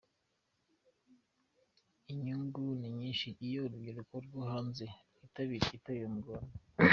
Inyungu ni nyinshi, iyo urubyiruko rwo hanze rwitabiriye itorero mu Rwanda.